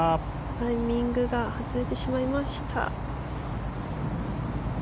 タイミングが外れてしまいました。